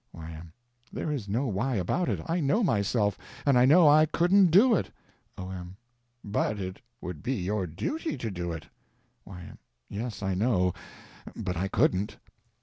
Y.M. There is no why about it: I know myself, and I know I couldn't do it. O.M. But it would be your duty to do it. Y.M. Yes, I know—but I couldn't.